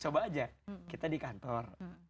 coba aja kita di kantor